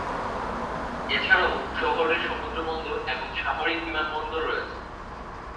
এছাড়াও শহরের সমুদ্রবন্দর এবং সামরিক বিমানবন্দর রয়েছে।